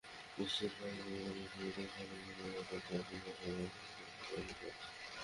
স্কুলজীবন শুরুর সঙ্গে সঙ্গে ছাত্রছাত্রীদের ঘাড়ের ওপর চেপে বসে হোমওয়ার্ক তথা বাড়ির কাজ।